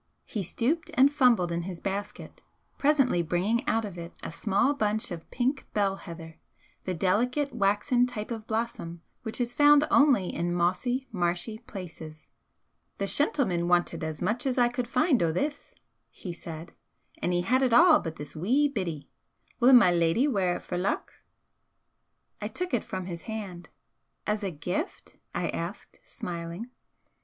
He stooped and fumbled in his basket, presently bringing out of it a small bunch of pink bell heather, the delicate waxen type of blossom which is found only in mossy, marshy places. "The shentleman wanted as much as I could find o' this," he said "An' he had it a' but this wee bittie. Will my leddy wear it for luck?" I took it from his hand. "As a gift?" I asked, smiling.